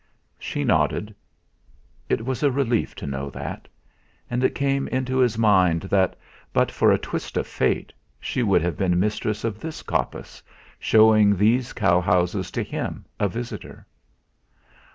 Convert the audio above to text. She nodded. It was a relief to know that. And it came into his mind that, but for a twist of fate, she would have been mistress of this coppice, showing these cow houses to him, a visitor.